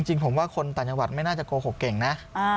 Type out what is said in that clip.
จริงผมว่าคนต่างจังหวัดไม่น่าจะโกหกเก่งนะ